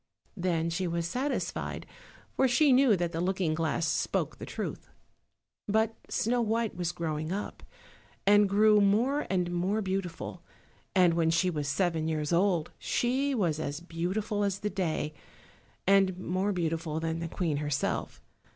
Then she was satisfied, for she knew that the looking glass spoke the truth. But Snow white was growing up, and grew more and more beautiful; and when she was seven years old she was as beautiful as the day, and more beautiful than the Queen herself.